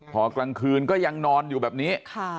พอกลางคืนก็ยังนอนอยู่แบบนี้